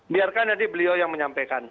biarkan nanti beliau yang menyampaikan